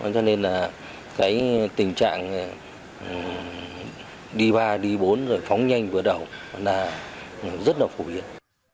cho nên tình trạng đi ba đi bốn phóng nhanh vượt ẩu rất phổ biến